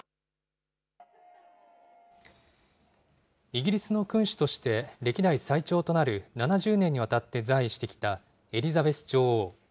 イギリスの君主として、歴代最長となる７０年にわたって在位してきたエリザベス女王。